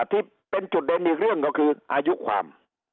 ที่เป็นจุดเด่นอีกเรื่องก็คืออายุความ